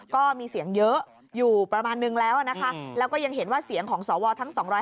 ก็มีเสียงเยอะอยู่ประมาณนึงแล้วนะคะแล้วก็ยังเห็นว่าเสียงของสวทั้ง๒๕